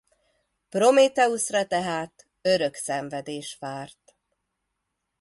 Prométheuszra tehát örök szenvedés várt.